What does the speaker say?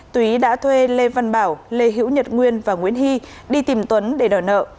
tý đã thuê lê văn bảo lê hữu nhật nguyên và nguyễn hy đi tìm tuấn để đòi nợ